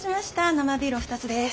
生ビールお二つです。